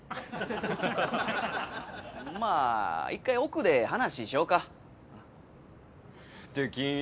まあ一回奥で話しようか。